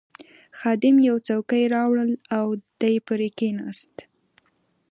خادم یوه چوکۍ راوړل او دی پرې کښېناست.